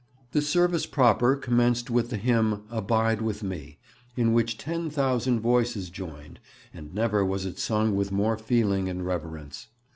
The service proper commenced with the hymn 'Abide with me,' in which ten thousand voices joined, and never was it sung with more feeling and reverence.